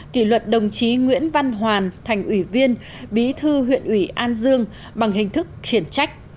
kỷ luật đồng chí nguyễn văn hoàn thành ủy viên bí thư huyện ủy an dương bằng hình thức khiển trách